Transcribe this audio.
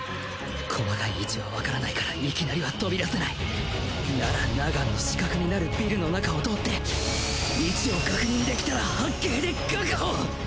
細かい位置は分からないからいきなりは飛び出せない！ならナガンの死角になるビルの中を通って位置を確認できたら発勁で確保！